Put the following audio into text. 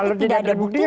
kalau tidak ada buktinya